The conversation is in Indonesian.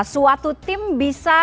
suatu tim bisa